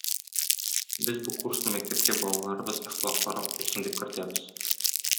Без бу курсны мәктәпкә балаларыбыз әхлаклырак булсын дип кертәбез.